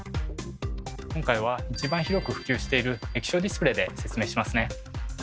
今回は一番広く普及している液晶ディスプレーで説明しますね。